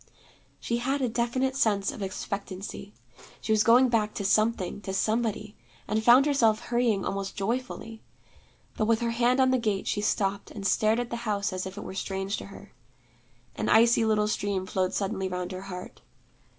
She had a definite sense of expectancy. She was going back to something, to somebody and found herself hurrying almost joyfully. But with her hand on the gate, she stopped, and stared at the house as if it were strange to her. An icy little stream flowed suddenly round her heart.